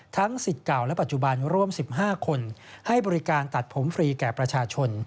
สิทธิ์เก่าและปัจจุบันร่วม๑๕คนให้บริการตัดผมฟรีแก่ประชาชน